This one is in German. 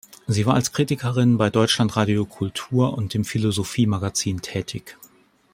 Sie war als Kritikerin bei Deutschlandradio Kultur und dem Philosophie Magazin tätig.